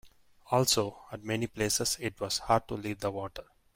Also, at many places it was hard to leave the water.